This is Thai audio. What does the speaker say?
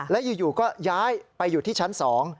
และอยู่ก็ย้ายไปอยู่ที่ชั้น๒